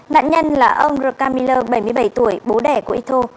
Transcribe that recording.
nạn nhân là ông rukam miller bảy mươi bảy tuổi bố đẻ của ito